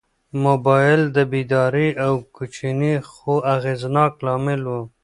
موبایل د بیدارۍ یو کوچنی خو اغېزناک لامل و.